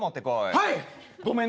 はい！